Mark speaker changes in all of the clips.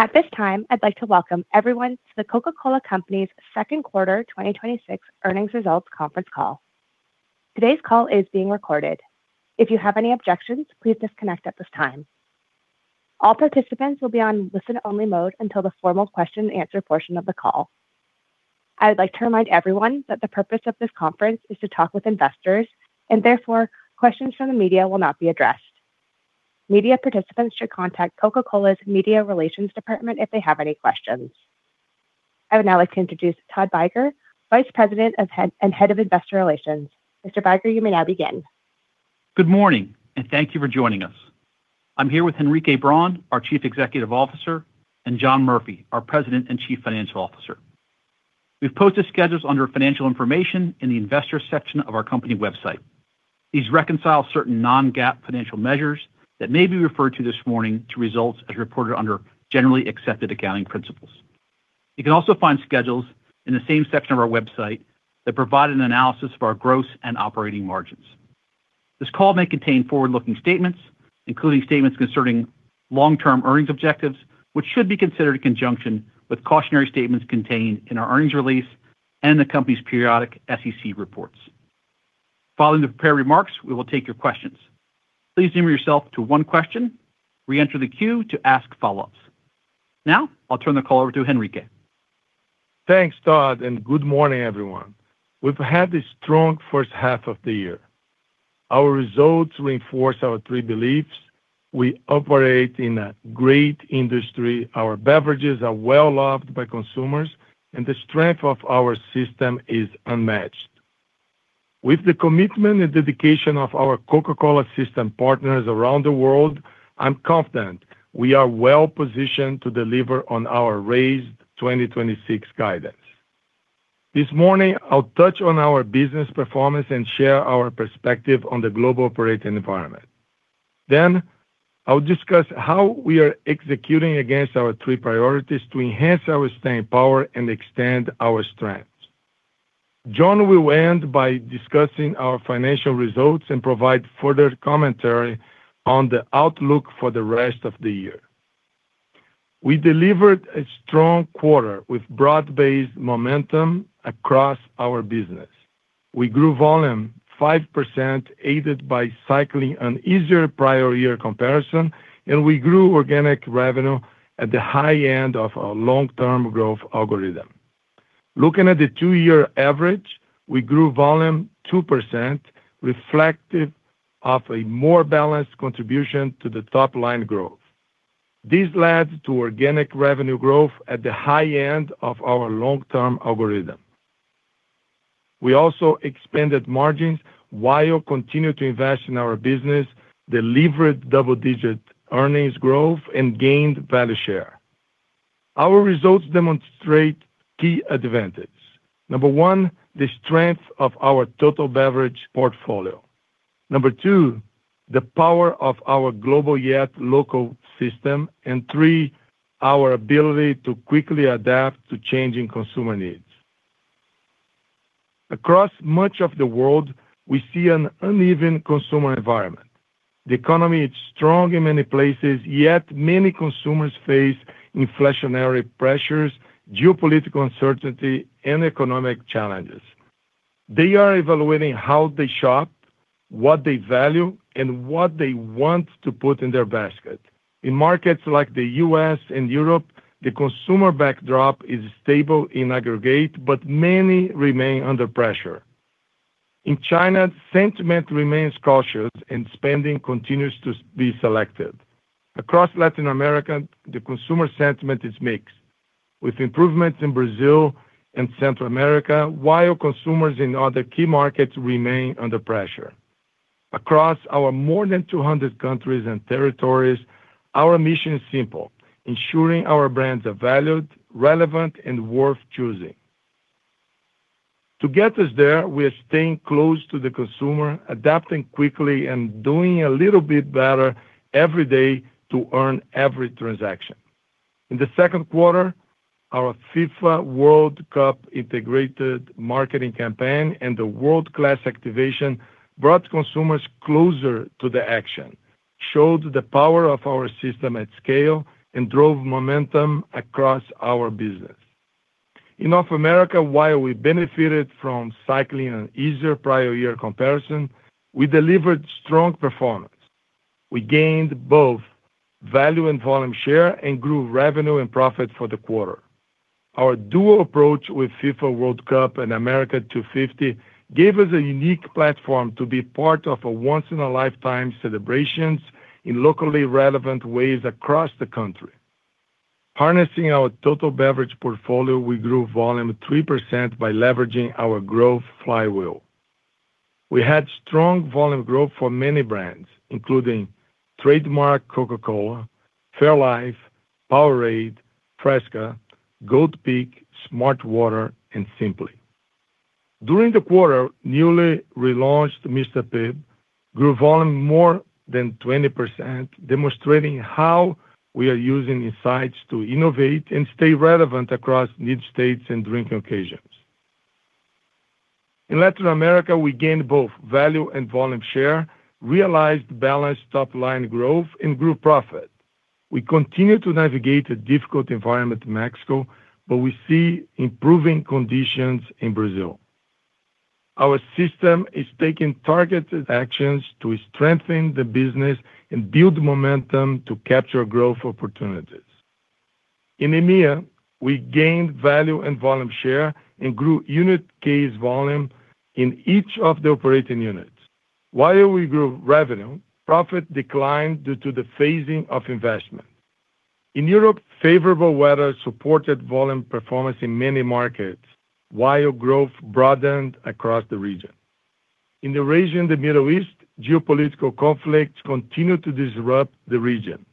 Speaker 1: At this time, I'd like to welcome everyone to The Coca-Cola Company's second quarter 2026 earnings results conference call. Today's call is being recorded. If you have any objections, please disconnect at this time. All participants will be on listen-only mode until the formal question-and-answer portion of the call. I would like to remind everyone that the purpose of this conference is to talk with investors and therefore, questions from the media will not be addressed. Media participants should contact Coca-Cola's media relations department if they have any questions. I would now like to introduce Todd Beiger, Vice President and Head of Investor Relations. Mr. Beiger, you may now begin.
Speaker 2: Good morning, and thank you for joining us. I'm here with Henrique Braun, our Chief Executive Officer, and John Murphy, our President and Chief Financial Officer. We've posted schedules under financial information in the investor section of our company website. These reconcile certain non-GAAP financial measures that may be referred to this morning to results as reported under Generally Accepted Accounting Principles. You can also find schedules in the same section of our website that provide an analysis of our gross and operating margins. This call may contain forward-looking statements, including statements concerning long-term earnings objectives, which should be considered in conjunction with cautionary statements contained in our earnings release and the company's periodic SEC reports. Following the prepared remarks, we will take your questions. Please limit yourself to one question. Re-enter the queue to ask follow-ups. Now, I'll turn the call over to Henrique.
Speaker 3: Thanks, Todd, and good morning, everyone. We've had a strong first half of the year. Our results reinforce our three beliefs: we operate in a great industry, our beverages are well-loved by consumers, and the strength of our system is unmatched. With the commitment and dedication of our Coca-Cola system partners around the world, I'm confident we are well-positioned to deliver on our raised 2026 guidance. This morning, I'll touch on our business performance and share our perspective on the global operating environment. Then, I will discuss how we are executing against our three priorities to enhance our staying power and extend our strengths. John will end by discussing our financial results and provide further commentary on the outlook for the rest of the year. We delivered a strong quarter with broad-based momentum across our business. We grew volume 5%, aided by cycling an easier prior-year comparison, and we grew organic revenue at the high end of our long-term growth algorithm. Looking at the two-year average, we grew volume 2%, reflective of a more balanced contribution to the top-line growth. This led to organic revenue growth at the high end of our long-term algorithm. We also expanded margins while continuing to invest in our business, delivered double-digit earnings growth, and gained value share. Our results demonstrate key advantages: number one, the strength of our total beverage portfolio; number two, the power of our global yet local system; and three, our ability to quickly adapt to changing consumer needs. Across much of the world, we see an uneven consumer environment. The economy is strong in many places, yet many consumers face inflationary pressures, geopolitical uncertainty, and economic challenges. They are evaluating how they shop, what they value, and what they want to put in their basket. In markets like the U.S. and Europe, the consumer backdrop is stable in aggregate, but many remain under pressure. In China, sentiment remains cautious, and spending continues to be selective. Across Latin America, the consumer sentiment is mixed, with improvements in Brazil and Central America while consumers in other key markets remain under pressure. Across our more than 200 countries and territories, our mission is simple: ensuring our brands are valued, relevant, and worth choosing. To get us there, we are staying close to the consumer, adapting quickly, and doing a little bit better every day to earn every transaction. In the second quarter, our FIFA World Cup integrated marketing campaign and the world-class activation brought consumers closer to the action, showed the power of our system at scale, and drove momentum across our business. In North America, while we benefited from cycling an easier prior-year comparison, we delivered strong performance. We gained both value and volume share and grew revenue and profit for the quarter. Our dual approach with FIFA World Cup and America250 gave us a unique platform to be part of a once-in-a-lifetime celebrations in locally relevant ways across the country. Harnessing our total beverage portfolio, we grew volume 3% by leveraging our growth flywheel. We had strong volume growth for many brands, including trademark Coca-Cola, fairlife, POWERADE, Fresca, Gold Peak, smartwater, and Simply. During the quarter, newly relaunched Mr. Pibb grew volume more than 20%, demonstrating how we are using insights to innovate and stay relevant across need states and drink occasions. In Latin America, we gained both value and volume share, realized balanced top-line growth, and grew profit. We continue to navigate a difficult environment in Mexico, but we see improving conditions in Brazil. Our system is taking targeted actions to strengthen the business and build momentum to capture growth opportunities. In EMEA, we gained value and volume share and grew unit case volume in each of the operating units. While we grew revenue, profit declined due to the phasing of investment. In Europe, favorable weather supported volume performance in many markets, while growth broadened across the region. In the region of the Middle East, geopolitical conflicts continue to disrupt the region.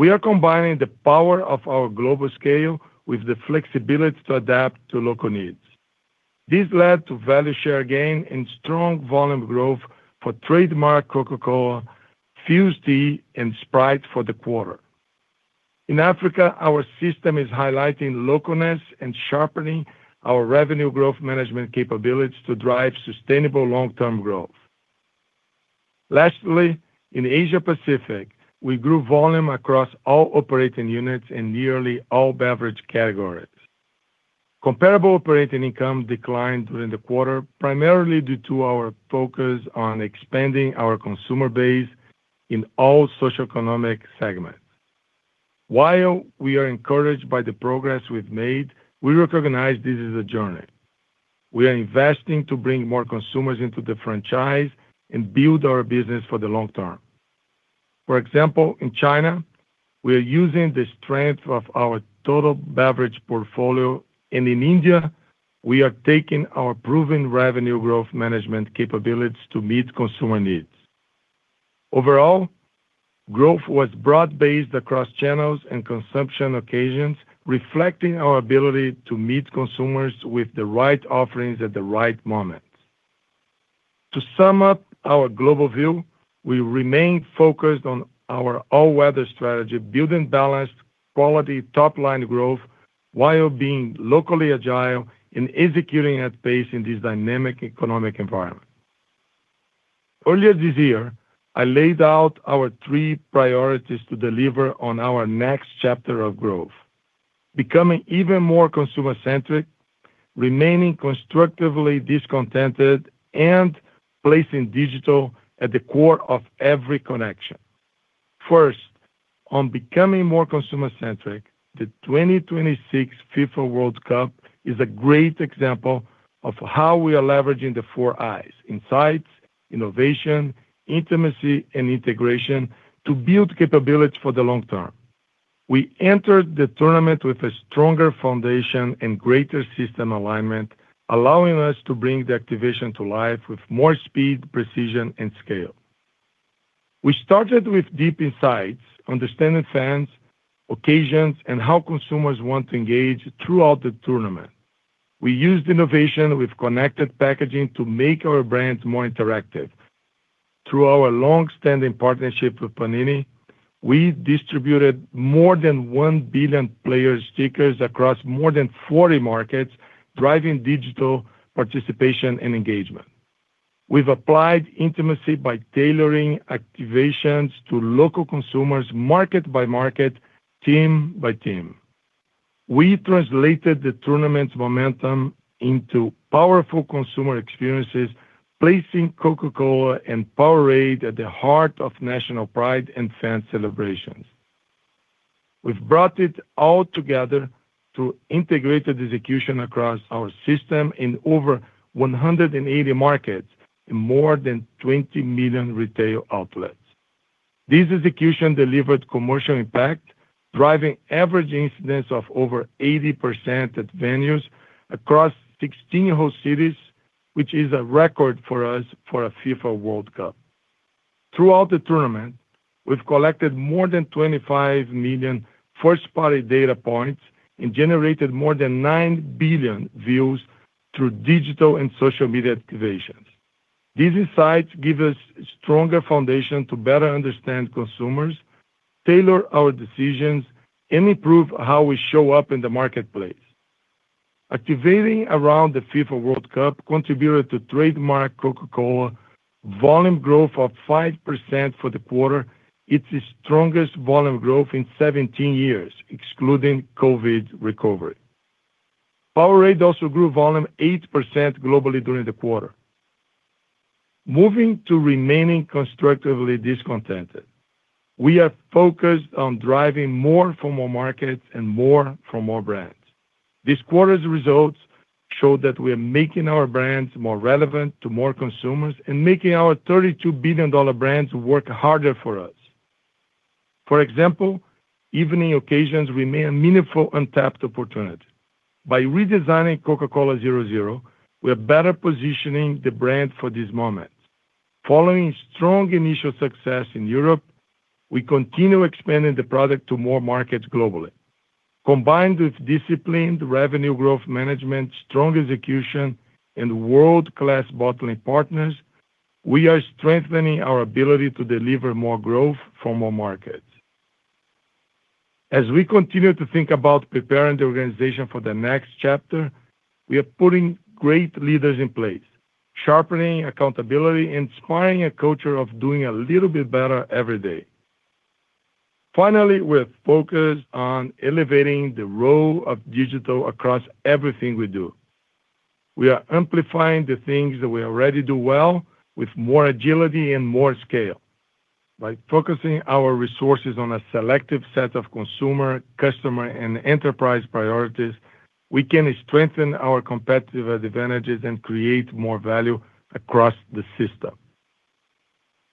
Speaker 3: We are combining the power of our global scale with the flexibility to adapt to local needs. This led to value share gain and strong volume growth for trademark Coca-Cola, FUZE Tea, and Sprite for the quarter. In Africa, our system is highlighting localness and sharpening our revenue growth management capabilities to drive sustainable long-term growth. Lastly, in Asia-Pacific, we grew volume across all operating units in nearly all beverage categories. Comparable operating income declined during the quarter, primarily due to our focus on expanding our consumer base in all socioeconomic segments. While we are encouraged by the progress we've made, we recognize this is a journey. We are investing to bring more consumers into the franchise and build our business for the long term. For example, in China, we are using the strength of our total beverage portfolio, and in India, we are taking our proven revenue growth management capabilities to meet consumer needs. Overall, growth was broad-based across channels and consumption occasions, reflecting our ability to meet consumers with the right offerings at the right moment. To sum up our global view, we remain focused on our all-weather strategy, building balanced quality top-line growth while being locally agile and executing at pace in this dynamic economic environment. Earlier this year, I laid out our three priorities to deliver on our next chapter of growth: becoming even more consumer-centric, remaining constructively discontented, and placing digital at the core of every connection. First, on becoming more consumer-centric, the 2026 FIFA World Cup is a great example of how we are leveraging the four Is, insights, innovation, intimacy, and integration, to build capability for the long term. We entered the tournament with a stronger foundation and greater system alignment, allowing us to bring the activation to life with more speed, precision, and scale. We started with deep insights, understanding fans, occasions, and how consumers want to engage throughout the tournament. We used innovation with connected packaging to make our brands more interactive. Through our long-standing partnership with Panini, we distributed more than 1 billion player stickers across more than 40 markets, driving digital participation and engagement. We've applied intimacy by tailoring activations to local consumers market by market, team by team. We translated the tournament's momentum into powerful consumer experiences, placing Coca-Cola and POWERADE at the heart of national pride and fan celebrations. We've brought it all together through integrated execution across our system in over 180 markets and more than 20 million retail outlets. This execution delivered commercial impact, driving average incidence of over 80% at venues across 16 host cities, which is a record for us for a FIFA World Cup. Throughout the tournament, we've collected more than 25 million first-party data points and generated more than 9 billion views through digital and social media activations. These insights give us a stronger foundation to better understand consumers, tailor our decisions, and improve how we show up in the marketplace. Activating around the FIFA World Cup contributed to trademark Coca-Cola volume growth of 5% for the quarter. It's the strongest volume growth in 17 years, excluding COVID recovery. POWERADE also grew volume 8% globally during the quarter. Moving to remaining constructively discontented. We are focused on driving more from more markets and more from more brands. This quarter's results show that we are making our brands more relevant to more consumers and making our $32 billion brands work harder for us. For example, evening occasions remain a meaningful untapped opportunity. By redesigning Coca-Cola Zero Sugar, we are better positioning the brand for this moment. Following strong initial success in Europe, we continue expanding the product to more markets globally. Combined with disciplined revenue growth management, strong execution, and world-class bottling partners, we are strengthening our ability to deliver more growth for more markets. As we continue to think about preparing the organization for the next chapter, we are putting great leaders in place, sharpening accountability, and inspiring a culture of doing a little bit better every day. Finally, we're focused on elevating the role of digital across everything we do. We are amplifying the things that we already do well with more agility and more scale. By focusing our resources on a selective set of consumer, customer, and enterprise priorities, we can strengthen our competitive advantages and create more value across the system.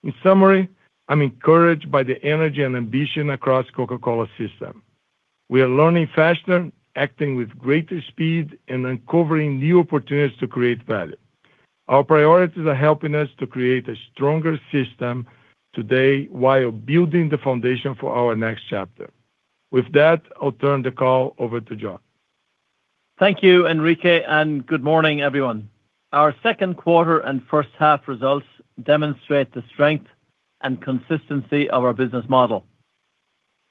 Speaker 3: In summary, I'm encouraged by the energy and ambition across Coca-Cola system. We are learning faster, acting with greater speed, and uncovering new opportunities to create value. Our priorities are helping us to create a stronger system today while building the foundation for our next chapter. With that, I'll turn the call over to John.
Speaker 4: Thank you, Henrique, and good morning, everyone. Our second quarter and first half results demonstrate the strength and consistency of our business model.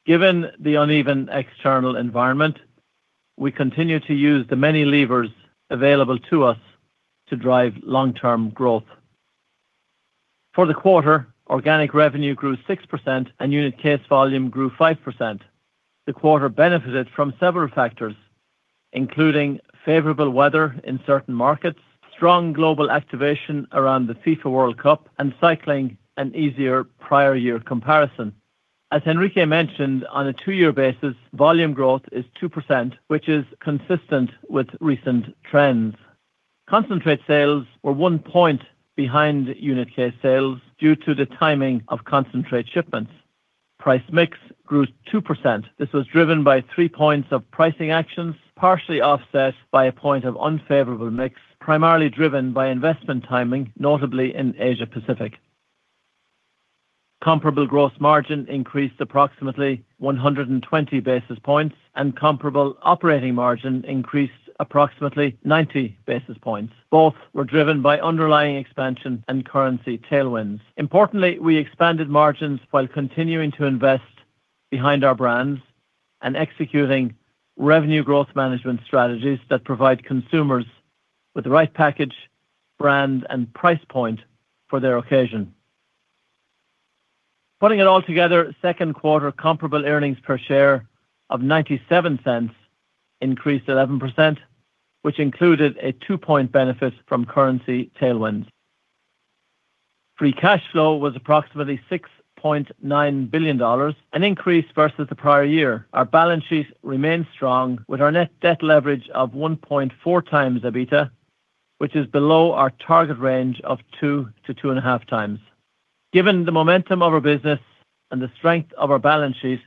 Speaker 4: Given the uneven external environment, we continue to use the many levers available to us to drive long-term growth. For the quarter, organic revenue grew 6% and unit case volume grew 5%. The quarter benefited from several factors, including favorable weather in certain markets, strong global activation around the FIFA World Cup, and cycling an easier prior-year comparison. As Henrique mentioned, on a two-year basis, volume growth is 2%, which is consistent with recent trends. Concentrate sales were 1 point behind unit case sales due to the timing of concentrate shipments. Price/mix grew 2%. This was driven by 3 points of pricing actions, partially offset by 1 point of unfavorable mix, primarily driven by investment timing, notably in Asia-Pacific. Comparable gross margin increased approximately 120 basis points, and comparable operating margin increased approximately 90 basis points. Both were driven by underlying expansion and currency tailwinds. Importantly, we expanded margins while continuing to invest behind our brands and executing revenue growth management strategies that provide consumers with the right package, brand, and price point for their occasion. Putting it all together, second quarter comparable earnings per share of $0.97 increased 11%, which included a 2-point benefit from currency tailwinds. Free cash flow was approximately $6.9 billion, an increase versus the prior year. Our balance sheet remains strong with our net debt leverage of 1.4x EBITDA, which is below our target range of 2x-2.5x. Given the momentum of our business and the strength of our balance sheet,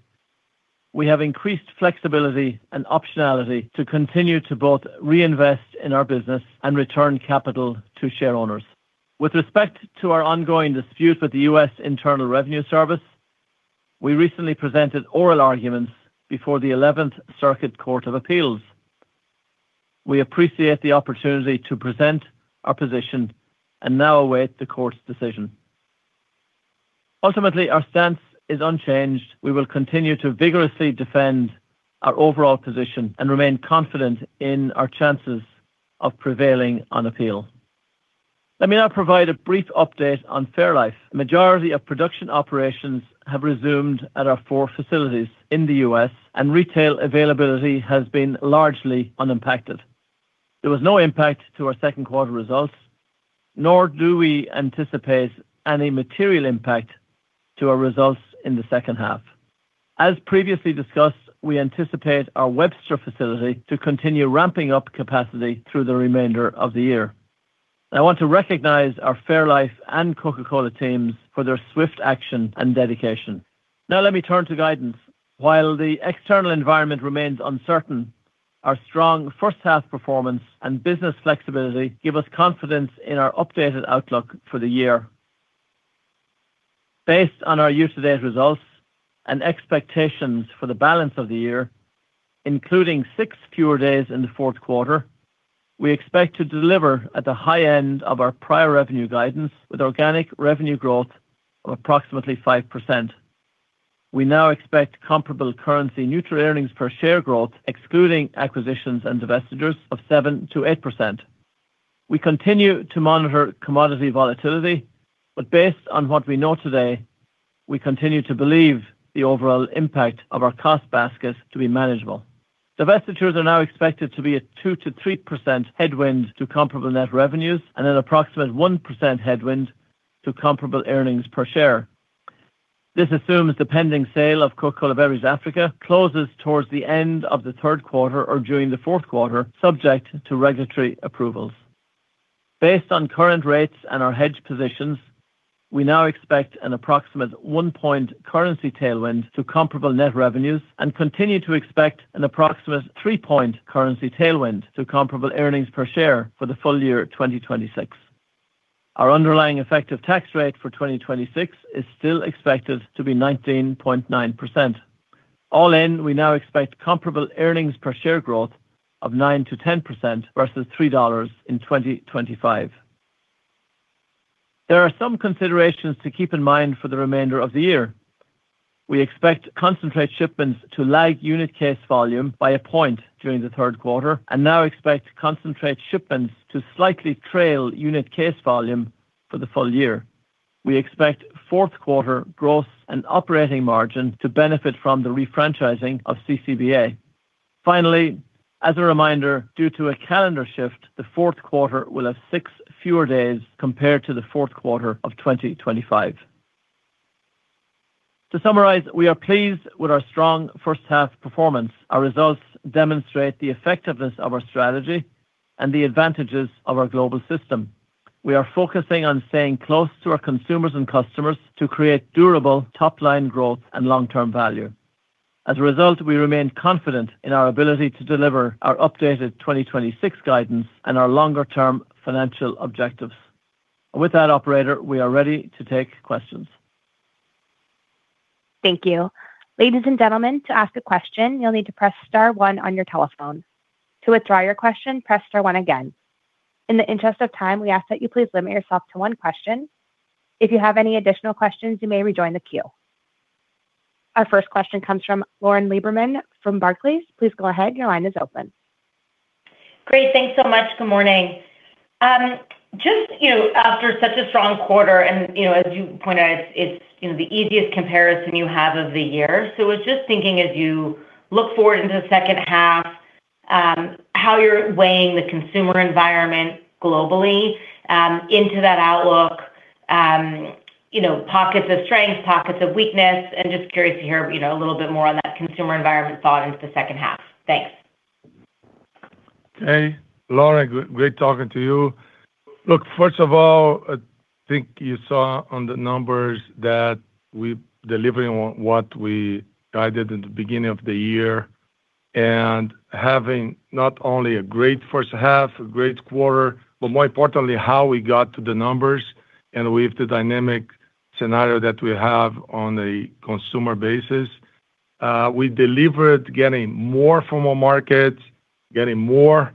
Speaker 4: we have increased flexibility and optionality to continue to both reinvest in our business and return capital to share owners. With respect to our ongoing dispute with the U.S. Internal Revenue Service, we recently presented oral arguments before the Eleventh Circuit Court of Appeals. We appreciate the opportunity to present our position and now await the court's decision. Ultimately, our stance is unchanged. We will continue to vigorously defend our overall position and remain confident in our chances of prevailing on appeal. Let me now provide a brief update on fairlife. The majority of production operations have resumed at our four facilities in the U.S., and retail availability has been largely unimpacted. There was no impact to our second quarter results, nor do we anticipate any material impact to our results in the second half. As previously discussed, we anticipate our Webster facility to continue ramping up capacity through the remainder of the year. I want to recognize our fairlife and Coca-Cola teams for their swift action and dedication. Now, let me turn to guidance. While the external environment remains uncertain, our strong first half performance and business flexibility give us confidence in our updated outlook for the year. Based on our year-to-date results and expectations for the balance of the year, including six fewer days in the fourth quarter, we expect to deliver at the high end of our prior revenue guidance with organic revenue growth of approximately 5%. We now expect comparable currency-neutral earnings per share growth, excluding acquisitions and divestitures, of 7%-8%. We continue to monitor commodity volatility, but based on what we know today, we continue to believe the overall impact of our cost basket to be manageable. Divestitures are now expected to be a 2%-3% headwind to comparable net revenues and an approximate 1% headwind to comparable earnings per share. This assumes the pending sale of Coca-Cola Beverages Africa closes towards the end of the third quarter or during the fourth quarter, subject to regulatory approvals. Based on current rates and our hedge positions, we now expect an approximate 1-point currency tailwind to comparable net revenues and continue to expect an approximate 3-point currency tailwind to comparable earnings per share for the full year 2026. Our underlying effective tax rate for 2026 is still expected to be 19.9%. All in, we now expect comparable earnings per share growth of 9%-10% versus $3 in 2025. There are some considerations to keep in mind for the remainder of the year. We expect concentrate shipments to lag unit case volume by 1 point during the third quarter and now expect concentrate shipments to slightly trail unit case volume for the full year. We expect fourth quarter growth and operating margin to benefit from the refranchising of CCBA. Finally, as a reminder, due to a calendar shift, the fourth quarter will have six fewer days compared to the fourth quarter of 2025. To summarize, we are pleased with our strong first half performance. Our results demonstrate the effectiveness of our strategy and the advantages of our global system. We are focusing on staying close to our consumers and customers to create durable top-line growth and long-term value. As a result, we remain confident in our ability to deliver our updated 2026 guidance and our longer-term financial objectives. With that, operator, we are ready to take questions.
Speaker 1: Thank you. Ladies and gentlemen, to ask a question, you'll need to press star one on your telephone. To withdraw your question, press star one again. In the interest of time, we ask that you please limit yourself to one question. If you have any additional questions, you may rejoin the queue. Our first question comes from Lauren Lieberman from Barclays. Please go ahead. Your line is open.
Speaker 5: Great. Thanks so much. Good morning. After such a strong quarter and, as you pointed out, it's the easiest comparison you have of the year, so I was just thinking as you look forward into the second half, how you're weighing the consumer environment globally into that outlook. You know, pockets of strength, pockets of weakness, and just curious to hear a little bit more on that consumer environment thought into the second half. Thanks.
Speaker 3: Okay. Lauren, great talking to you. Look, first of all, I think you saw on the numbers that we're delivering on what we guided in the beginning of the year and having not only a great first half, a great quarter, but more importantly, how we got to the numbers and with the dynamic scenario that we have on a consumer basis. We delivered getting more from more markets, getting more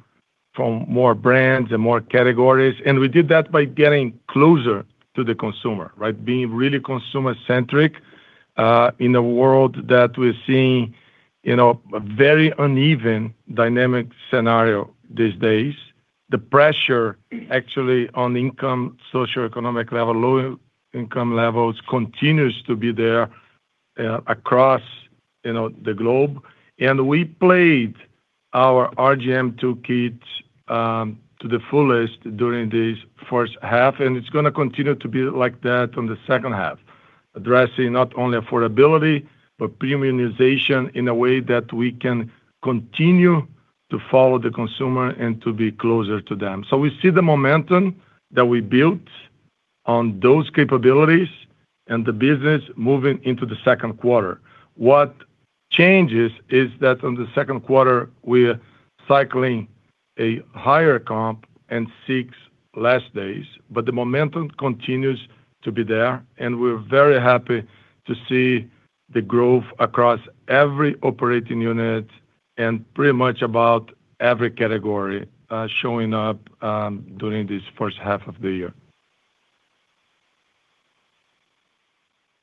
Speaker 3: from more brands and more categories, and we did that by getting closer to the consumer, right? Being really consumer-centric, in a world that we're seeing a very uneven dynamic scenario these days. The pressure actually on income, socioeconomic level, lower income levels continues to be there across the globe. And we played our RGM toolkit to the fullest during this first half, and it's going to continue to be like that on the second half, addressing not only affordability, but premiumization in a way that we can continue to follow the consumer and to be closer to them. So, we see the momentum that we built on those capabilities and the business moving into the second quarter. What changes is that on the second quarter, we're cycling a higher comp and six less days, but the momentum continues to be there and we're very happy to see the growth across every operating unit and pretty much about every category showing up during this first half of the year.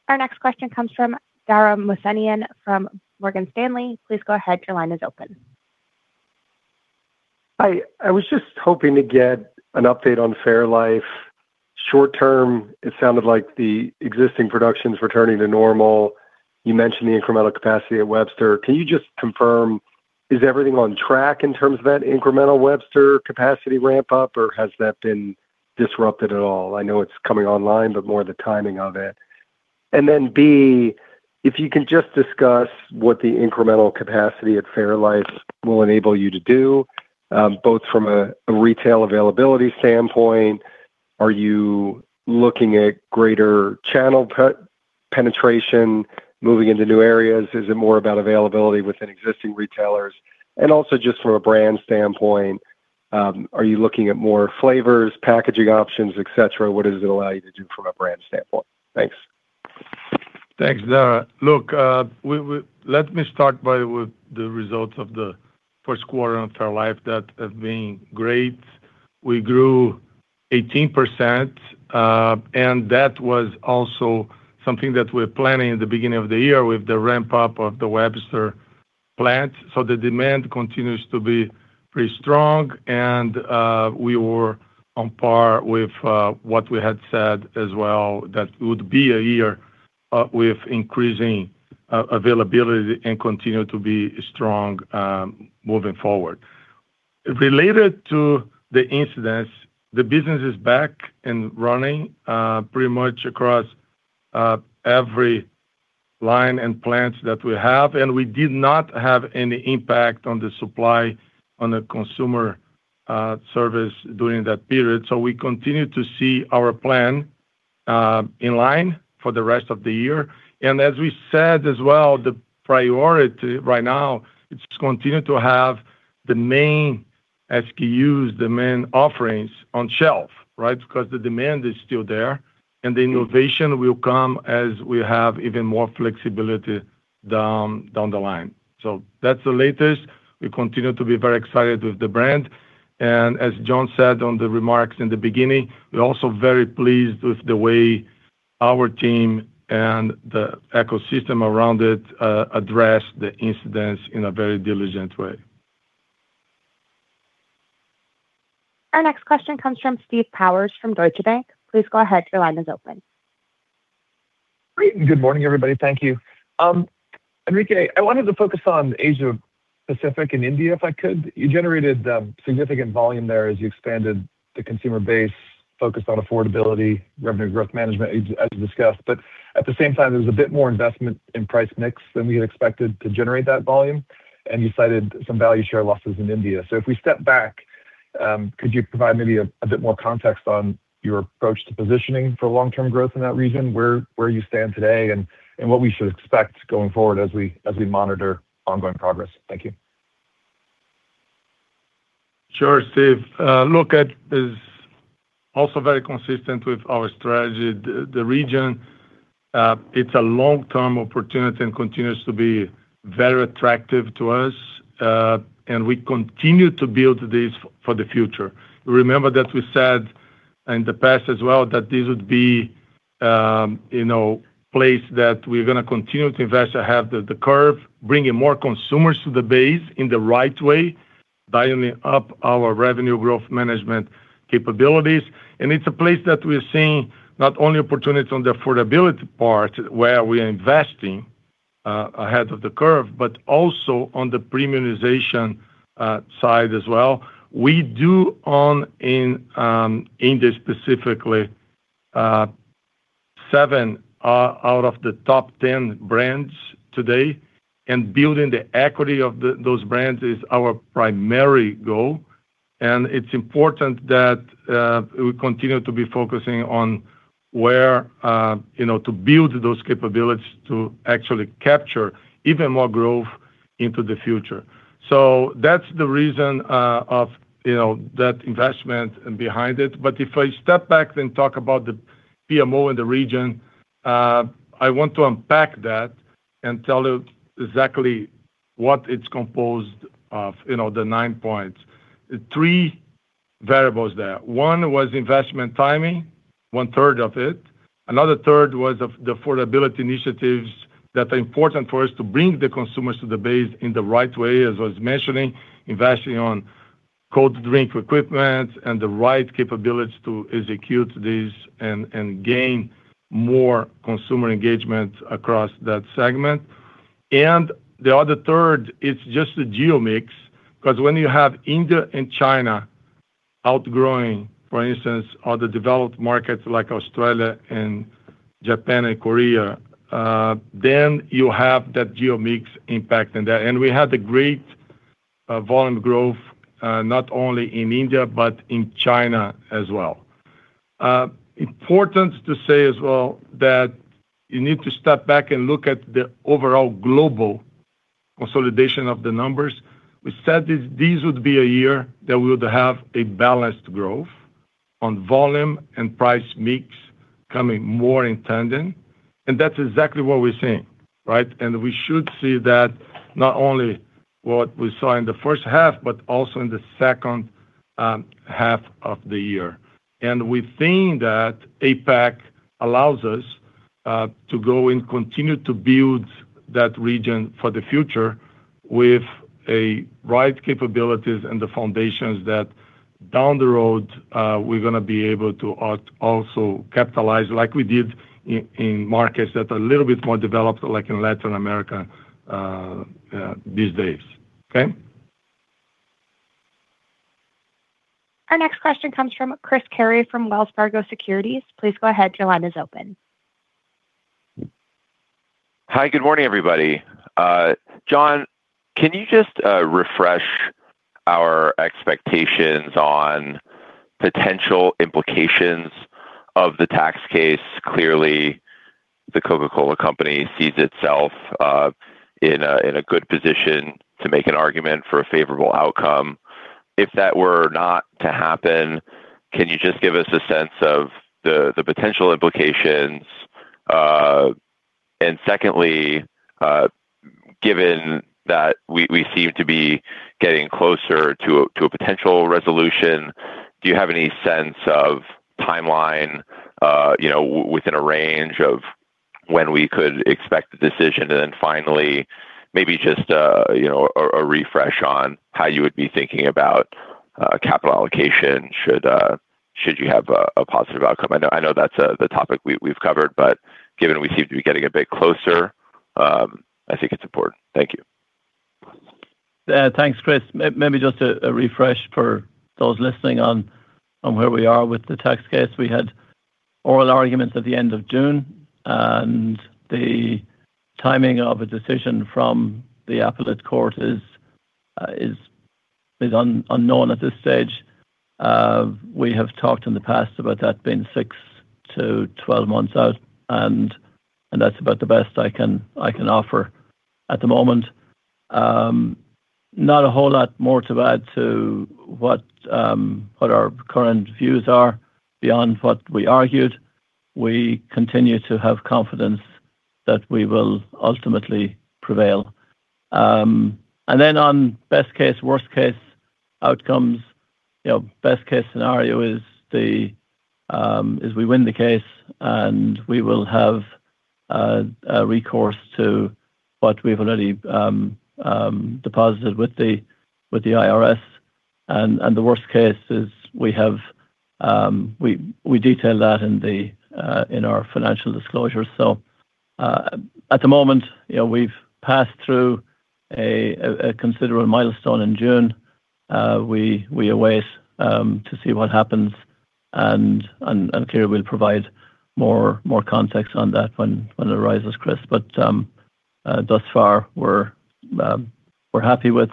Speaker 1: Our next question comes from Dara Mohsenian from Morgan Stanley. Please go ahead. Your line is open.
Speaker 6: Hi. I was just hoping to get an update on fairlife. Short term, it sounded like the existing production's returning to normal. You mentioned the incremental capacity at Webster. Can you just confirm, is everything on track in terms of that incremental Webster capacity ramp up, or has that been disrupted at all? I know it's coming online, but more the timing of it. And then B, if you can just discuss what the incremental capacity at fairlife will enable you to do, both from a retail availability standpoint. Are you looking at greater channel penetration, moving into new areas? Is it more about availability within existing retailers? And also, just from a brand standpoint, are you looking at more flavors, packaging options, et cetera? What does it allow you to do from a brand standpoint? Thanks.
Speaker 3: Thanks, Dara. Look, let me start with the results of the first quarter of fairlife. That has been great. We grew 18%, and that was also something that we're planning at the beginning of the year with the ramp-up of the Webster plant. The demand continues to be pretty strong, and we were on par with what we had said as well, that it would be a year with increasing availability and continue to be strong moving forward. Related to the incidents, the business is back and running, pretty much across every line and plants that we have, and we did not have any impact on the supply on the consumer service during that period. We continue to see our plan in line for the rest of the year. As we said as well, the priority right now is to continue to have the main SKUs, the main offerings on shelf, right? Because the demand is still there, and the innovation will come as we have even more flexibility down the line. That's the latest. We continue to be very excited with the brand, and as John said on the remarks in the beginning, we're also very pleased with the way our team and the ecosystem around it address the incidents in a very diligent way.
Speaker 1: Our next question comes from Steve Powers from Deutsche Bank. Please go ahead. Your line is open.
Speaker 7: Great. Good morning, everybody. Thank you. Henrique, I wanted to focus on Asia-Pacific and India, if I could. You generated significant volume there as you expanded the consumer base, focused on affordability, revenue growth management as discussed. But at the same time, there was a bit more investment in price/mix than we had expected to generate that volume. And you cited some value share losses in India. So, if we step back, could you provide maybe a bit more context on your approach to positioning for long-term growth in that region? Where you stand today and what we should expect going forward as we monitor ongoing progress? Thank you.
Speaker 3: Sure, Steve. Look at is also very consistent with our strategy. The region, it's a long-term opportunity and continues to be very attractive to us, and we continue to build this for the future. Remember that we said in the past as well that this would be a place that we're going to continue to invest ahead of the curve, bringing more consumers to the base in the right way, dialing up our revenue growth management capabilities. And it's a place that we are seeing not only opportunities on the affordability part, where we are investing ahead of the curve, but also on the premiumization side as well. We do own, in India specifically, seven out of the top 10 brands today, and building the equity of those brands is our primary goal. It's important that we continue to be focusing on where to build those capabilities to actually capture even more growth into the future. That's the reason of that investment and behind it. If I step back and talk about the PMO in the region, I want to unpack that and tell you exactly what it's composed of, you know, the nine points. Three variables there. One was investment timing, 1/3 of it. Another 1/3 was of the affordability initiatives that are important for us to bring the consumers to the base in the right way, as I was mentioning, investing on cold drink equipment and the right capability to execute this and gain more consumer engagement across that segment. And the other 1/3, it's just the geo mix, because when you have India and China outgrowing, for instance, other developed markets like Australia, Japan, and Korea, then you have that geo mix impact in that. And we had great volume growth, not only in India but in China as well. Important to say as well that you need to step back and look at the overall global consolidation of the numbers. We said this would be a year that we would have a balanced growth on volume and price/mix coming more in tandem, and that's exactly what we're seeing, right? We should see that not only what we saw in the first half, but also in the second half of the year. We think that APAC allows us to go and continue to build that region for the future with right capabilities and the foundations that down the road, we're going to be able to also capitalize like we did in markets that are a little bit more developed, like in Latin America these days. Okay.
Speaker 1: Our next question comes from Chris Carey from Wells Fargo Securities. Please go ahead. Your line is open.
Speaker 8: Hi. Good morning, everybody. John, can you just refresh our expectations on potential implications of the tax case? Clearly, The Coca-Cola Company sees itself in a good position to make an argument for a favorable outcome. If that were not to happen, can you just give us a sense of the potential implications? Secondly, given that we seem to be getting closer to a potential resolution, do you have any sense of timeline within a range of when we could expect a decision? Then finally, maybe just a refresh on how you would be thinking about capital allocation should you have a positive outcome? I know that's the topic we've covered, but given we seem to be getting a bit closer, I think it's important. Thank you.
Speaker 4: Thanks, Chris. Maybe just a refresh for those listening on where we are with the tax case. We had oral arguments at the end of June, and the timing of a decision from the appellate court is unknown at this stage. We have talked in the past about that being 6-12 months out, and that's about the best I can offer at the moment. Not a whole lot more to add to what our current views are beyond what we argued. We continue to have confidence that we will ultimately prevail. Then, on best-case, worst-case outcomes, best case scenario is we win the case, and we will have a recourse to what we've already deposited with the IRS. The worst case is we detail that in our financial disclosure. At the moment, we've passed through a considerable milestone in June. We await to see what happens, and clearly, we'll provide more context on that when it arises, Chris. But thus far, we're happy with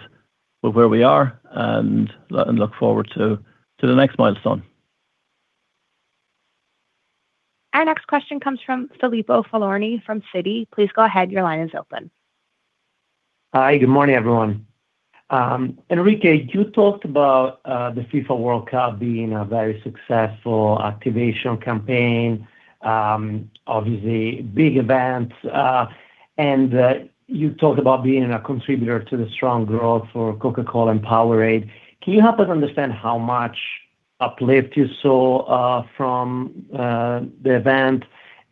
Speaker 4: where we are and look forward to the next milestone.
Speaker 1: Our next question comes from Filippo Falorni from Citi. Please go ahead. Your line is open.
Speaker 9: Hi, good morning, everyone. Henrique, you talked about the FIFA World Cup being a very successful activation campaign. Obviously, big event. And you talked about being a contributor to the strong growth for Coca-Cola and POWERADE. Can you help us understand how much uplift you saw from the event,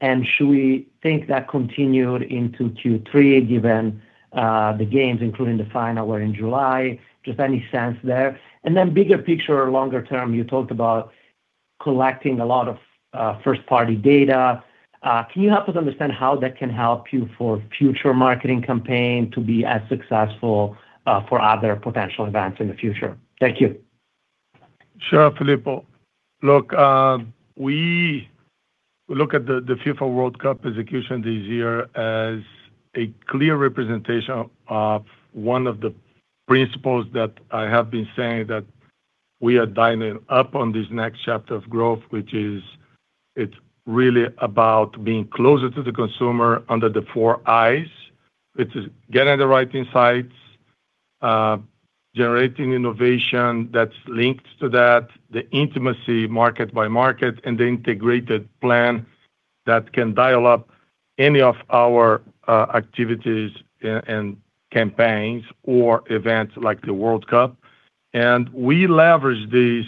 Speaker 9: and should we think that continued into Q3, given the games, including the final, were in July? Just any sense there. Then, bigger picture, longer term, you talked about collecting a lot of first-party data. Can you help us understand how that can help you for future marketing campaign to be as successful for other potential events in the future? Thank you.
Speaker 3: Sure, Filippo. Look, we look at the FIFA World Cup execution this year as a clear representation of one of the principles that I have been saying that we are dialing up on this next chapter of growth, which is it's really about being closer to the consumer under the four Is. It is getting the right insights, generating innovation that's linked to that, the intimacy market by market, and the integrated plan that can dial up any of our activities and campaigns or events like the World Cup. We leveraged this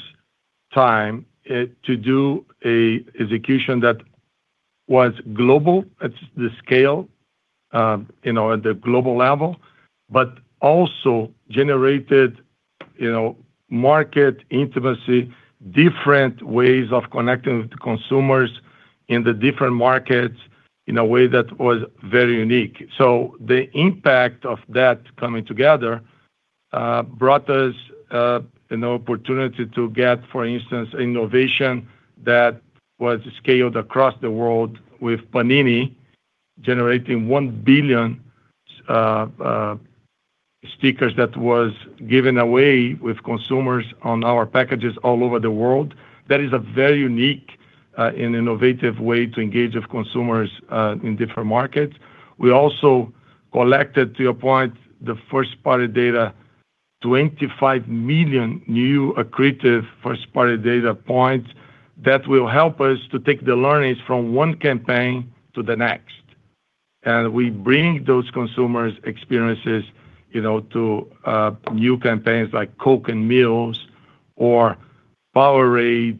Speaker 3: time to do a execution that was global at the scale, you know, at the global level, but also generated market intimacy, different ways of connecting with the consumers in the different markets in a way that was very unique. The impact of that coming together brought us an opportunity to get, for instance, innovation that was scaled across the world with Panini generating 1 billion stickers that was given away with consumers on our packages all over the world. That is a very unique and innovative way to engage with consumers in different markets. We also collected, to your point, the first-party data, 25 million new accretive first-party data points that will help us to take the learnings from one campaign to the next. We bring those consumers' experiences to new campaigns like Coke & Meals or POWERADE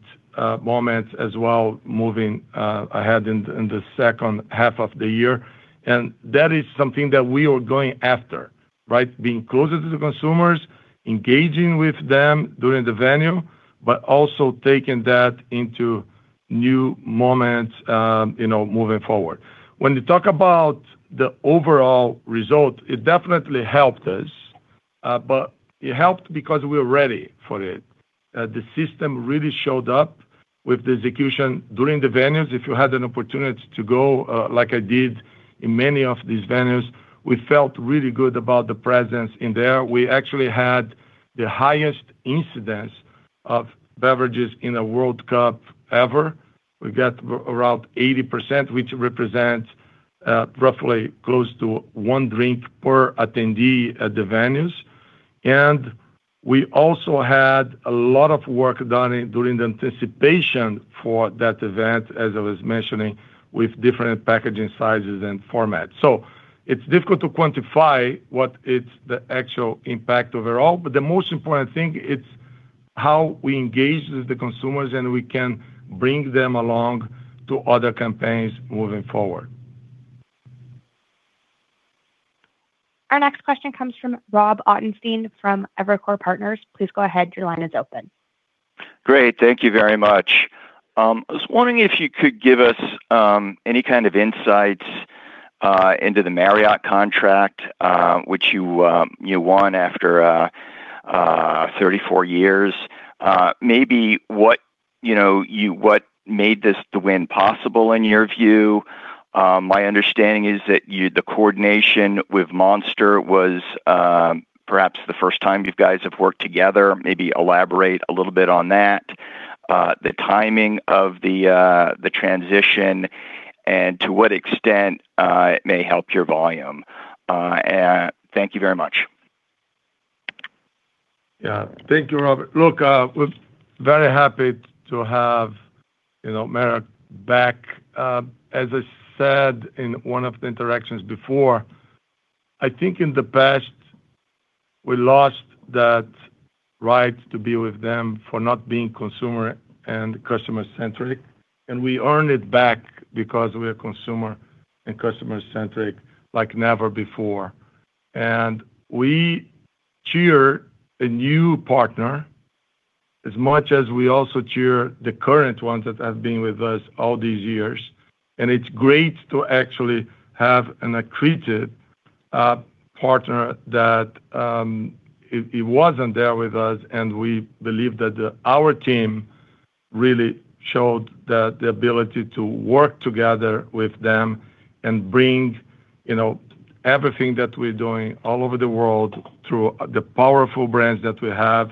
Speaker 3: moments as well, moving ahead in the second half of the year. That is something that we are going after, right? Being closer to the consumers, engaging with them during the venue, but also taking that into new moments moving forward. When you talk about the overall result, it definitely helped us, but it helped because we were ready for it. The system really showed up with the execution during the venues. If you had an opportunity to go, like I did in many of these venues, we felt really good about the presence in there. We actually had the highest incidence of beverages in a World Cup ever. We got around 80%, which represents roughly close to one drink per attendee at the venues. We also had a lot of work done during the anticipation for that event, as I was mentioning, with different packaging sizes and formats. It's difficult to quantify what is the actual impact overall, but the most important thing is how we engage with the consumers, and we can bring them along to other campaigns moving forward.
Speaker 1: Our next question comes from Rob Ottenstein from Evercore Partners. Please go ahead. Your line is open.
Speaker 10: Great. Thank you very much. I was wondering if you could give us any kind of insights into the Marriott contract, which you won after 34 years. Maybe, what made this win possible in your view? My understanding is that the coordination with Monster was perhaps the first time you guys have worked together. Maybe, elaborate a little bit on that, the timing of the transition, and to what extent it may help your volume. Thank you very much.
Speaker 3: Yeah. Thank you, Rob. Look, we're very happy to have Marriott back. As I said in one of the interactions before, I think in the past, we lost that right to be with them for not being consumer and customer-centric, and we earned it back because we are consumer and customer-centric like never before. We cheer a new partner as much as we also cheer the current ones that have been with us all these years. It's great to actually have an accreted partner that it wasn't there with us, and we believe that our team really showed the ability to work together with them and bring everything that we're doing all over the world through the powerful brands that we have,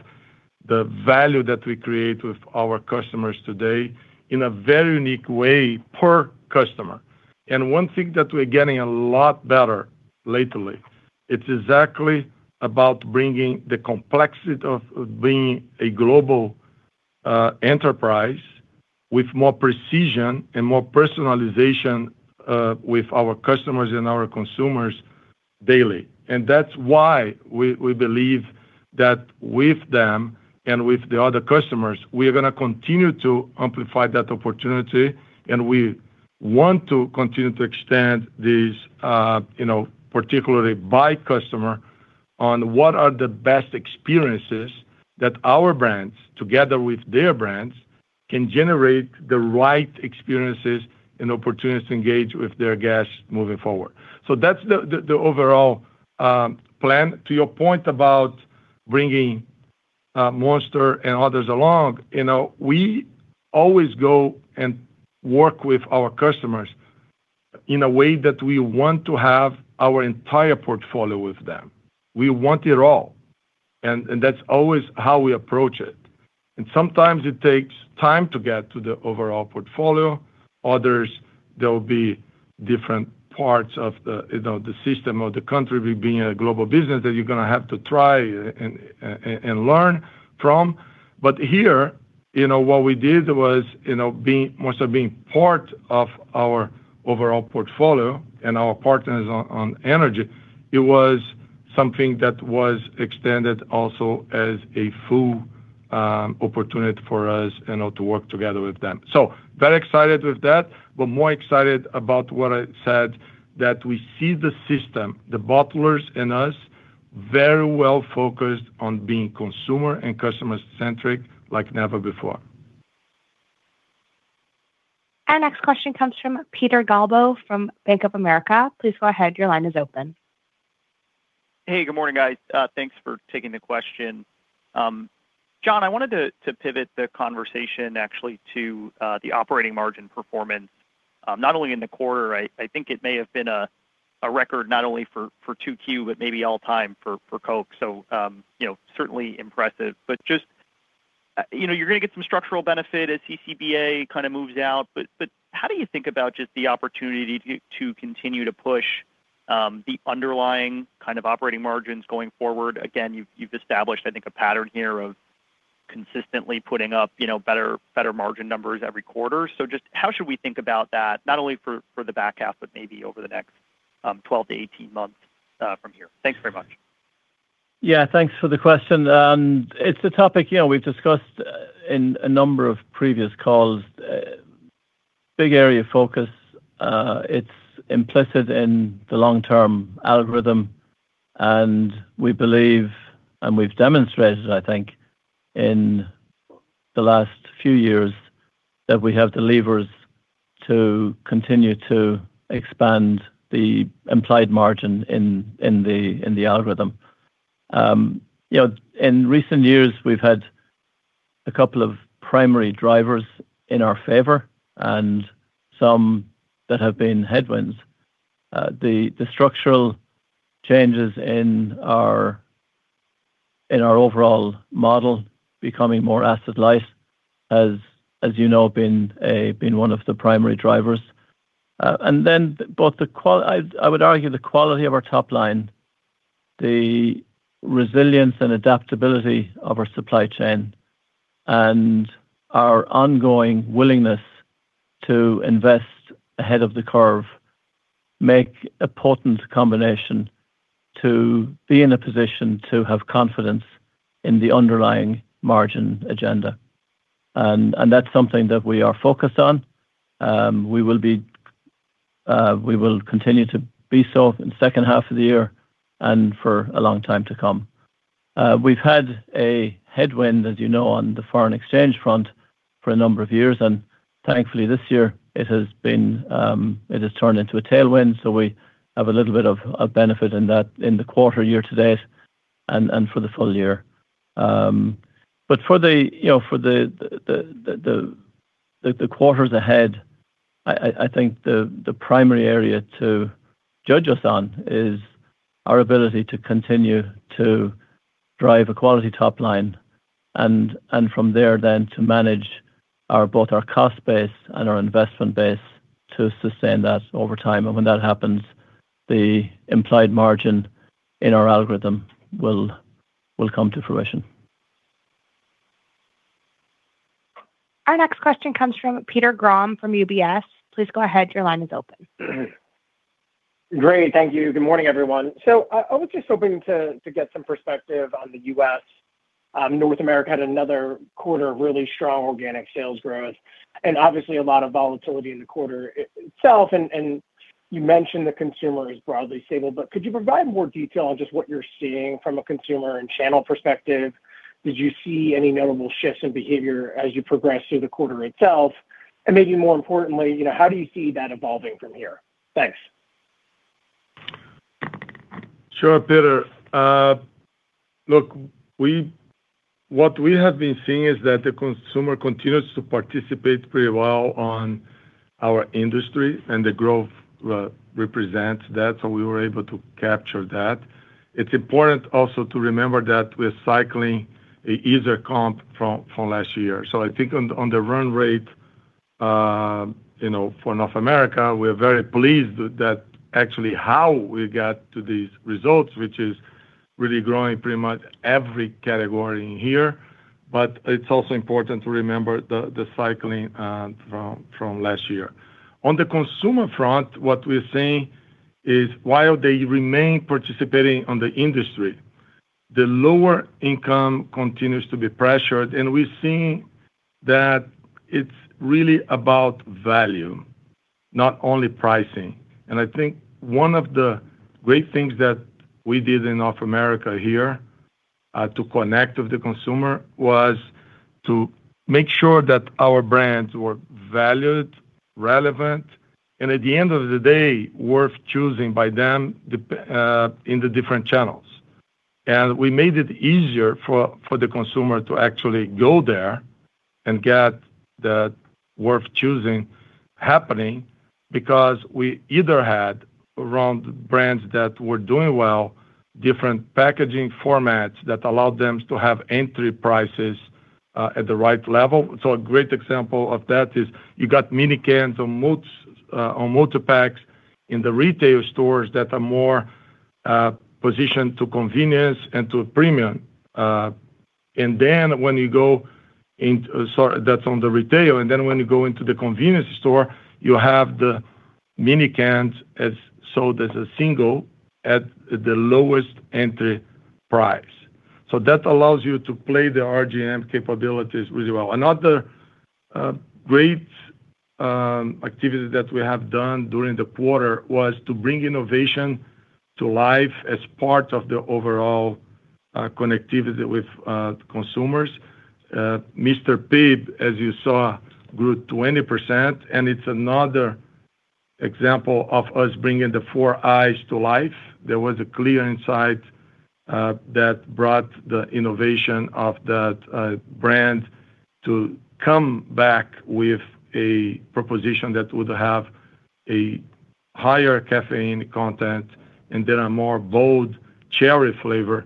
Speaker 3: the value that we create with our customers today in a very unique way per customer. One thing that we're getting a lot better lately, it's exactly about bringing the complexity of being a global enterprise with more precision and more personalization with our customers and our consumers daily. That's why we believe that with them and with the other customers, we are going to continue to amplify that opportunity, and we want to continue to extend this, particularly by customer, on what are the best experiences that our brands, together with their brands, can generate the right experiences and opportunities to engage with their guests moving forward. That's the overall plan. To your point about bringing Monster and others along, you know, we always go and work with our customers in a way that we want to have our entire portfolio with them. We want it all, and that's always how we approach it. Sometimes, it takes time to get to the overall portfolio. Others, there will be different parts of the system or the country, we being a global business, that you're going to have to try and learn from. But here, what we did was, you know, Monster being part of our overall portfolio and our partners on energy, it was something that was extended also as a full opportunity for us to work together with them. So, very excited with that, but more excited about what I said, that we see the system, the bottlers and us, very well-focused on being consumer and customer-centric like never before.
Speaker 1: Our next question comes from Peter Galbo from Bank of America. Please go ahead. Your line is open.
Speaker 11: Hey, good morning, guys. Thanks for taking the question. John, I wanted to pivot the conversation actually to the operating margin performance, not only in the quarter. I think it may have been a record not only for 2Q, but maybe all time for Coke. So, certainly impressive. But just, you know, you're going to get some structural benefit as CCBA kind of moves out, but how do you think about just the opportunity to continue to push the underlying kind of operating margins going forward? Again, you've established, I think, a pattern here of consistently putting up better margin numbers every quarter. So, just how should we think about that, not only for the back half, but maybe over the next 12-18 months from here? Thanks very much.
Speaker 4: Yeah. Thanks for the question. It's a topic we've discussed in a number of previous calls. Big area of focus. It's implicit in the long-term algorithm, and we believe, and we've demonstrated, I think, in the last few years that we have the levers to continue to expand the implied margin in the algorithm. In recent years, we've had a couple of primary drivers in our favor and some that have been headwinds. The structural changes in our overall model becoming more asset light has, as you know, been one of the primary drivers. And then, both, I would argue the quality of our top line, the resilience and adaptability of our supply chain, and our ongoing willingness to invest ahead of the curve make a potent combination to be in a position to have confidence in the underlying margin agenda. That's something that we are focused on. We will continue to be so in the second half of the year and for a long time to come. We've had a headwind, as you know, on the foreign exchange front for a number of years, and thankfully this year, it has turned into a tailwind, so we have a little bit of a benefit in the quarter year-to-date and for the full year. For the quarters ahead, I think the primary area to judge us on is our ability to continue to drive a quality top line and from there, then to manage both our cost base and our investment base to sustain that over time. When that happens, the implied margin in our algorithm will come to fruition.
Speaker 1: Our next question comes from Peter Grom from UBS. Please go ahead. Your line is open.
Speaker 12: Great, thank you. Good morning, everyone. I was just hoping to get some perspective on the U.S. North America had another quarter of really strong organic sales growth and obviously, a lot of volatility in the quarter itself. And you mentioned the consumer is broadly stable, but could you provide more detail on just what you're seeing from a consumer and channel perspective? Did you see any notable shifts in behavior as you progressed through the quarter itself? Maybe, more importantly, how do you see that evolving from here? Thanks.
Speaker 3: Sure, Peter. Look, what we have been seeing is that the consumer continues to participate pretty well in our industry, and the growth represents that. We were able to capture that. It's important also to remember that we're cycling an easier comp from last year. I think, on the run rate for North America, we're very pleased that that actually how we got to these results, which is really growing pretty much every category in here. But it's also important to remember the cycling from last year. On the consumer front, what we're seeing is while they remain participating in the industry, the lower income continues to be pressured, and we're seeing that it's really about value, not only pricing. I think one of the great things that we did in North America here to connect with the consumer was to make sure that our brands were valued, relevant, and at the end of the day, worth choosing by them in the different channels. We made it easier for the consumer to actually go there and get that worth choosing happening because we either had around brands that were doing well, different packaging formats that allowed them to have entry prices at the right level. A great example of that is you got mini cans or multipacks in the retail stores that are more positioned to convenience and to premium. Then, when you go, sorry, that's on the retail, then when you go into the convenience store, you have the mini cans as sold as a single at the lowest entry price. That allows you to play the RGM capabilities really well. Another great activity that we have done during the quarter was to bring innovation to life as part of the overall connectivity with consumers. Mr. Pibb, as you saw, grew 20%, and it's another example of us bringing the four Is to life. There was a clear insight that brought the innovation of that brand to come back with a proposition that would have a higher caffeine content and then a more bold cherry flavor.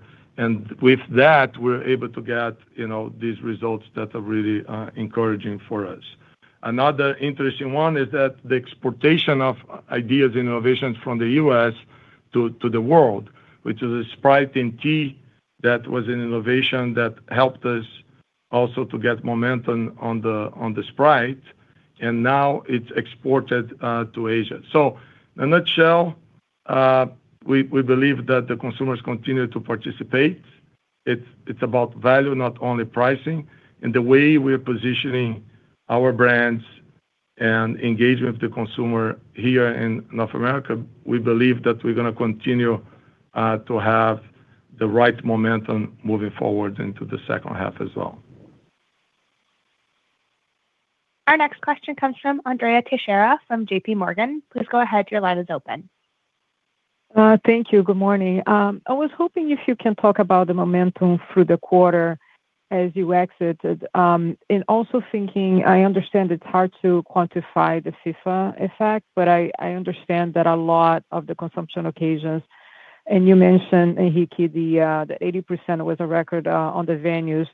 Speaker 3: With that, we're able to get these results that are really encouraging for us. Another interesting one is that the exportation of ideas, innovations from the U.S. to the world, which is a Sprite in tea that was an innovation that helped us also to get momentum on the Sprite, and now it's exported to Asia. In a nutshell, we believe that the consumers continue to participate. It's about value, not only pricing. The way we are positioning our brands and engaging with the consumer here in North America, we believe that we're going to continue to have the right momentum moving forward into the second half as well.
Speaker 1: Our next question comes from Andrea Teixeira from JPMorgan. Please go ahead. Your line is open.
Speaker 13: Thank you. Good morning. I was hoping if you can talk about the momentum through the quarter as you exited. Also thinking, I understand it's hard to quantify the FIFA effect, but I understand that a lot of the consumption occasions, and you mentioned, Henrique, the 80% was a record on the venues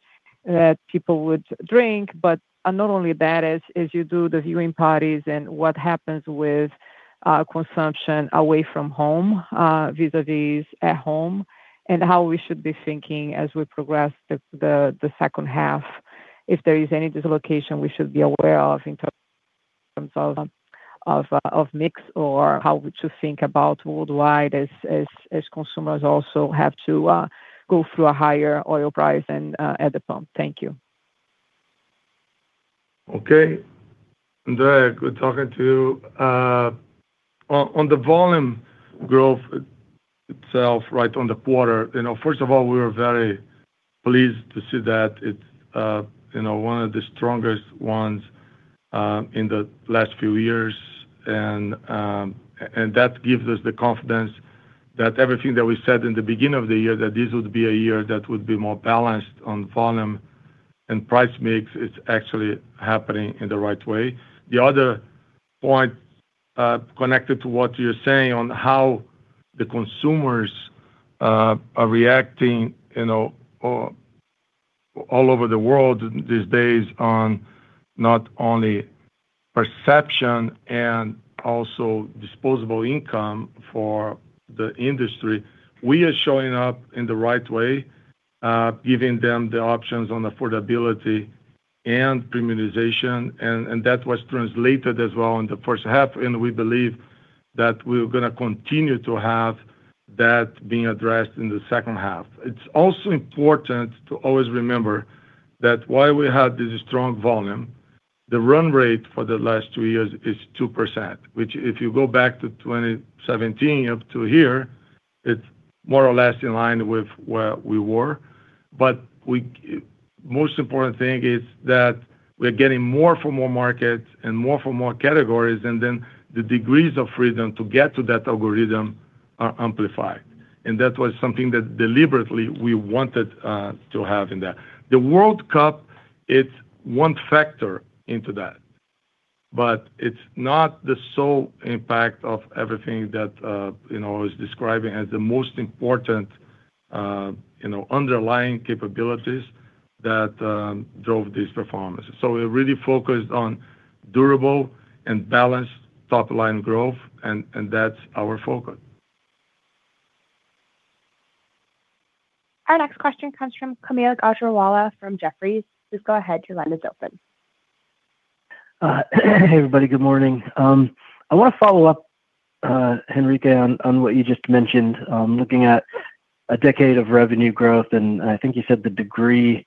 Speaker 13: that people would drink. But not only that, as you do the viewing parties and what happens with consumption away from home vis-à-vis at home, and how we should be thinking as we progress the second half, if there is any dislocation we should be aware of in terms of mix or how would you think about worldwide as consumers also have to go through a higher oil price at the pump? Thank you.
Speaker 3: Okay. Andrea, good talking to you. On the volume growth itself, on the quarter, first of all, we were very pleased to see that it's one of the strongest ones in the last few years. That gives us the confidence that everything that we said in the beginning of the year, that this would be a year that would be more balanced on volume and price/mix is actually happening in the right way. The other point, connected to what you're saying on how the consumers are reacting all over the world these days on not only perception and also disposable income for the industry, we are showing up in the right way, giving them the options on affordability and premiumization, and that was translated as well in the first half, and we believe that we're going to continue to have that being addressed in the second half. It's also important to always remember that while we have this strong volume, the run rate for the last two years is 2%, which if you go back to 2017 up to here, it's more or less in line with where we were. But most important thing is that we are getting more from more markets and more from more categories. Then, the degrees of freedom to get to that algorithm are amplified, and that was something that deliberately we wanted to have in there. The World Cup, it's one factor into that, but it's not the sole impact of everything that I was describing as the most important underlying capabilities that drove this performance. We're really focused on durable and balanced top-line growth, and that's our focus.
Speaker 1: Our next question comes from Kaumil Gajrawala from Jefferies. Please go ahead, your line is open.
Speaker 14: Hey, everybody. Good morning. I want to follow up, Henrique, on what you just mentioned, looking at a decade of revenue growth, and I think you said the degree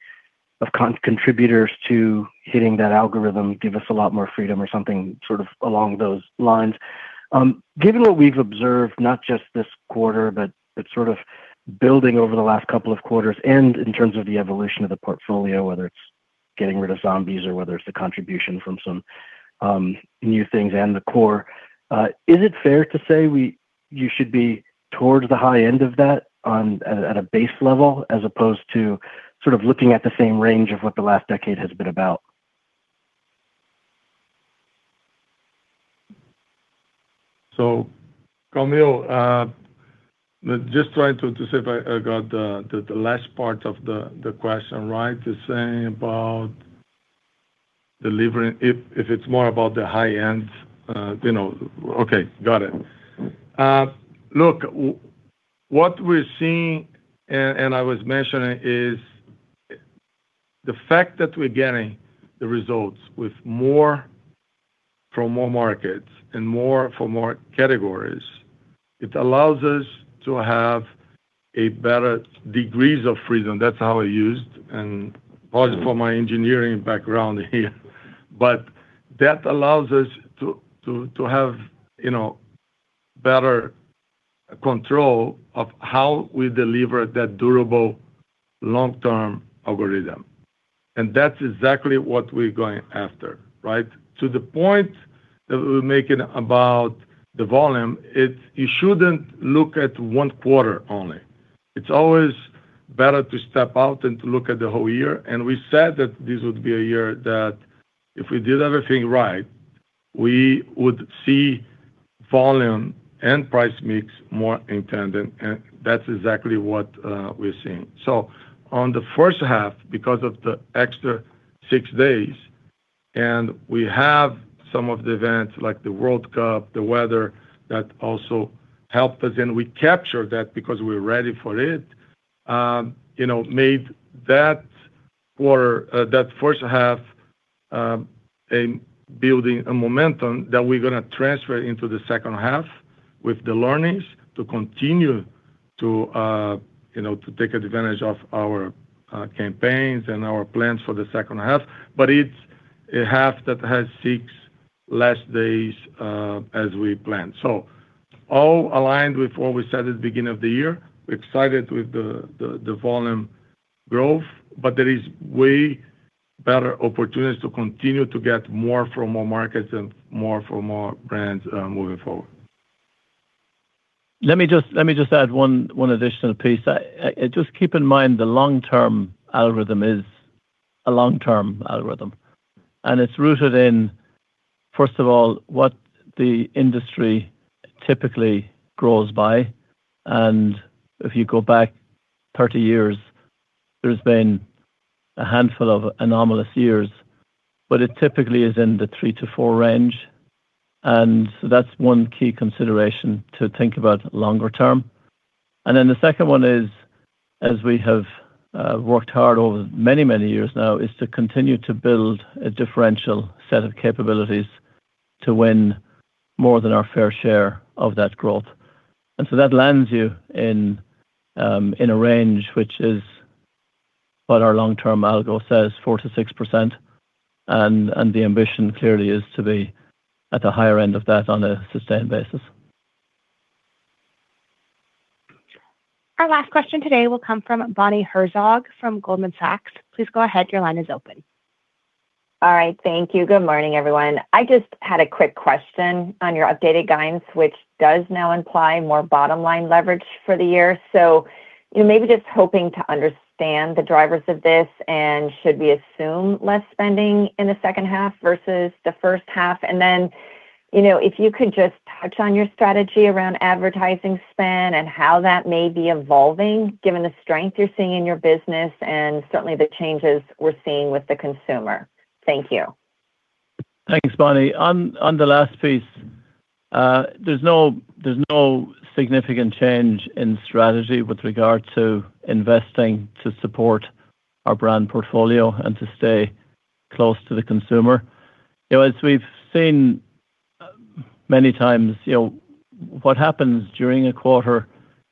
Speaker 14: of contributors to hitting that algorithm give us a lot more freedom, or something sort of along those lines. Given what we've observed, not just this quarter, but sort of building over the last couple of quarters and in terms of the evolution of the portfolio, whether it's getting rid of zombies or whether it's the contribution from some new things and the core, is it fair to say you should be towards the high end of that at a base level, as opposed to sort of looking at the same range of what the last decade has been about?
Speaker 3: Kaumil, just trying to see if I got the last part of the question right. You're saying about delivering, if it's more about the high end. Okay, got it. Look, what we're seeing, and I was mentioning, is the fact that we're getting the results with more from more markets and more for more categories, it allows us to have a better degrees of freedom. That's how I used, and apologies for my engineering background here, but that allows us to have better control of how we deliver that durable long-term algorithm, and that's exactly what we're going after, right? To the point that we're making about the volume, you shouldn't look at one quarter only. It's always better to step out and to look at the whole year, and we said that this would be a year that if we did everything right, we would see volume and price/mix more in tandem. That's exactly what we're seeing. On the first half, because of the extra six days, and we have some of the events like the World Cup, the weather that also helped us, and we captured that because we were ready for it, made that first half building a momentum that we're going to transfer into the second half with the learnings to continue to take advantage of our campaigns and our plans for the second half. But it's a half that has six less days as we planned. So, all aligned with what we said at the beginning of the year. We're excited with the volume growth, but there is way better opportunities to continue to get more from more markets and more from more brands moving forward.
Speaker 4: Let me just add one additional piece. Just keep in mind, the long-term algorithm is a long-term algorithm, and it's rooted in, first of all, what the industry typically grows by. If you go back 30 years, there's been a handful of anomalous years, but it typically is in the 3%-4% range, and that's one key consideration to think about longer term. Then, the second one is, as we have worked hard over many, many years now, is to continue to build a differential set of capabilities to win more than our fair share of that growth. That lands you in a range which is what our long-term algo says, 4%-6%, and the ambition clearly is to be at the higher end of that on a sustained basis.
Speaker 1: Our last question today will come from Bonnie Herzog from Goldman Sachs. Please go ahead, your line is open.
Speaker 15: All right. Thank you. Good morning, everyone. I just had a quick question on your updated guidance, which does now imply more bottom-line leverage for the year. Maybe, just hoping to understand the drivers of this, and should we assume less spending in the second half versus the first half? Then, if you could just touch on your strategy around advertising spend and how that may be evolving given the strength you're seeing in your business and certainly the changes we're seeing with the consumer. Thank you.
Speaker 4: Thanks, Bonnie. On the last piece, there's no significant change in strategy with regard to investing to support our brand portfolio and to stay close to the consumer. As we've seen many times, what happens during a quarter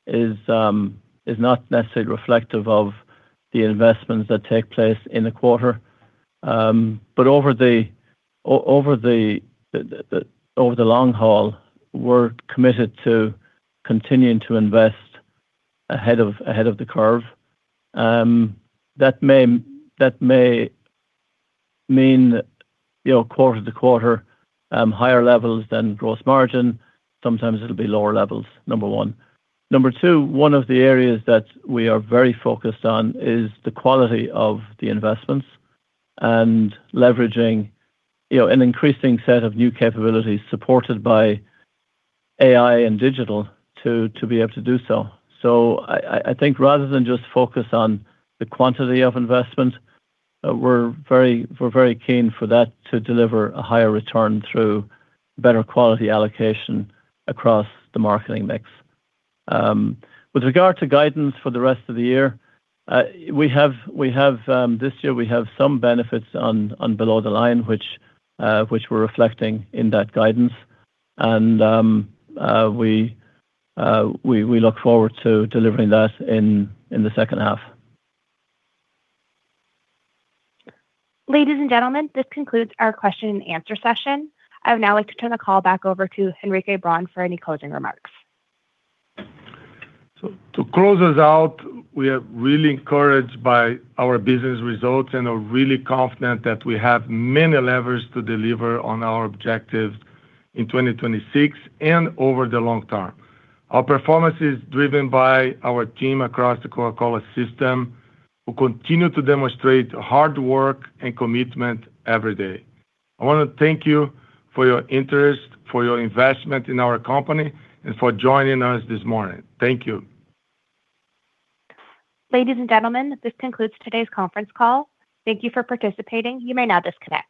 Speaker 4: is not necessarily reflective of the investments that take place in a quarter. But over the long haul, we're committed to continuing to invest ahead of the curve. That may mean quarter to quarter higher levels than gross margin. Sometimes, it'll be lower levels, number one. Number two, one of the areas that we are very focused on is the quality of the investments and leveraging an increasing set of new capabilities supported by AI and digital to be able to do so. So, I think rather than just focus on the quantity of investment, we're very keen for that to deliver a higher return through better quality allocation across the marketing mix. With regard to guidance for the rest of the year, we have, this year, we have some benefits on below the line, which we're reflecting in that guidance. We look forward to delivering that in the second half.
Speaker 1: Ladies and gentlemen, this concludes our question-and-answer session. I would now like to turn the call back over to Henrique Braun for any closing remarks.
Speaker 3: To close us out, we are really encouraged by our business results and are really confident that we have many levers to deliver on our objective in 2026 and over the long term. Our performance is driven by our team across the Coca-Cola system, who continue to demonstrate hard work and commitment every day. I want to thank you for your interest, for your investment in our company, and for joining us this morning. Thank you.
Speaker 1: Ladies and gentlemen, this concludes today's conference call. Thank you for participating. You may now disconnect.